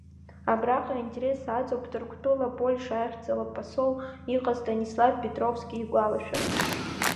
Абраҟа аинтерес аҵоуп Ҭырқәтәыла Польша ахьӡала посолс иҟаз Станислав Пиотровски игәалашәара.